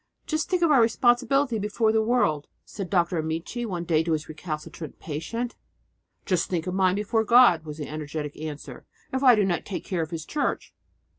"Just think of our responsibility before the world!" said Dr. Amici one day to his recalcitrant patient. "Just think of mine before God," was the energetic answer, "if I do not take care of His Church!"